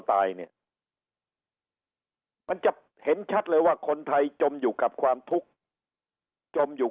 ตายเนี่ยมันจะเห็นชัดเลยว่าคนไทยจมอยู่กับความทุกข์จมอยู่